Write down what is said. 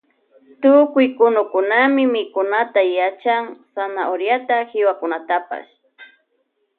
Tukuy kunukunami mikunata yachan zanahoriata y hiwakunatapash.